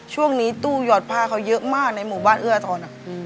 ช่วงนี้ตู้หยอดผ้าเขาเยอะมากในหมู่บ้านเอื้อทร